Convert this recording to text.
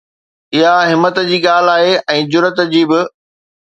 اها همت جي ڳالهه آهي ۽ جرئت جي به.